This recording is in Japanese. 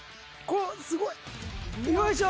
すごいよいしょ！